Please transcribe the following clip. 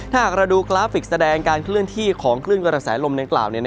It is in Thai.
ถ้าหากเราดูกราฟิกแสดงการเคลื่อนที่ของคลื่นกระแสลมดังกล่าว